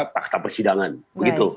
fakta persidangan begitu